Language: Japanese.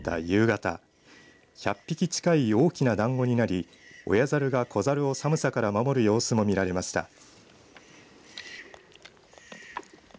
夕方１００匹近い大きなだんごになり親ザルが子ザルを寒さから守る様子も見られました。